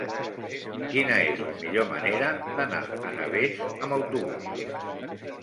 Quina és la millor manera d'anar a Navès amb autobús?